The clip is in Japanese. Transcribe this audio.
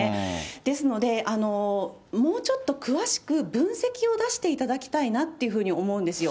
ですので、もうちょっと詳しく分析を出していただきたいなっていうふうに思うんですよ。